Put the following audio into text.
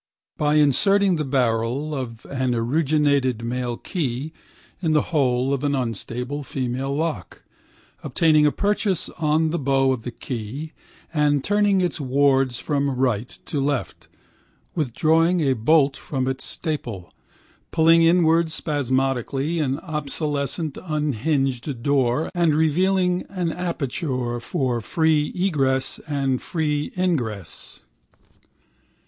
By inserting the barrel of an arruginated male key in the hole of an unstable female lock, obtaining a purchase on the bow of the key and turning its wards from right to left, withdrawing a bolt from its staple, pulling inward spasmodically an obsolescent unhinged door and revealing an aperture for free egress and free ingress.